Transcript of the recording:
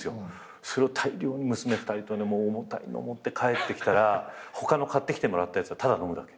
それを大量に娘２人とね重たいの持って帰ってきたら他の買ってきてもらったやつはただ飲むだけ。